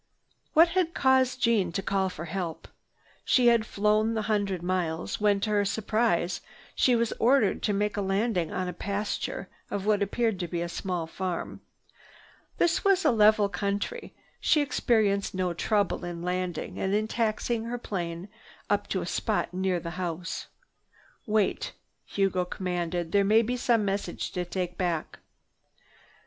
What had caused Jeanne to call for help? She had flown the hundred miles when, to her surprise, she was ordered to make a landing on a pasture of what appeared to be a small farm. This was a level country. She experienced no trouble in landing and in taxiing her plane up to a spot near the house. "Wait!" Hugo commanded. "There may be some message to take back."